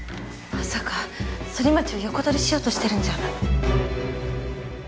まさかソリマチを横取りしようとしてるんじゃ。